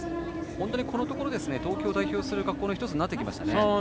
本当にこのところ東京を代表する学校の１つになりましたね。